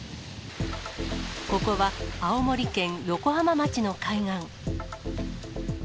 ここは青森県横浜町の海岸。